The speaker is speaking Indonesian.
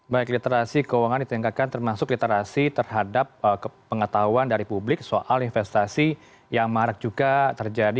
baik literasi keuangan ditingkatkan termasuk literasi terhadap pengetahuan dari publik soal investasi yang marak juga terjadi